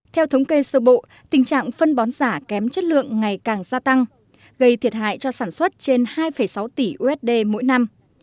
theo thống kê sơ bộ tình trạng phân bón giả kém chất lượng ngày càng gia tăng gây thiệt hại cho sản xuất trên hai sáu tỷ usd mỗi năm